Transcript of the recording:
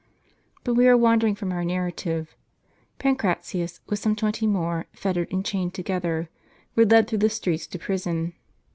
But we are wandering from our narrative. Pancratius, with some twenty more, fettered, and chained together, were led through the streets to prison.